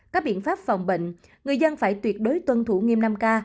các biện pháp phòng bệnh người dân phải tuyệt đối tuân thủ nghiêm năm k